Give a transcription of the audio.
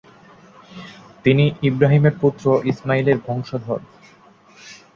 তিনি ইব্রাহিমের পুত্র ইসমাইলের বংশধর।